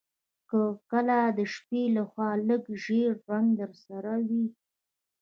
که کله د شپې لخوا لږ ژیړ رنګ درسره وي